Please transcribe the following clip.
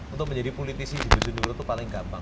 untuk menjadi politisi jenis jenis itu paling gampang